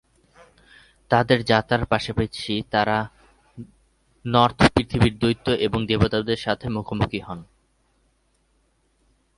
তাদের যাত্রার পাশাপাশি, তারা নর্স পৃথিবীর দৈত্য এবং দেবতাদের সাথে মুখোমুখি হন।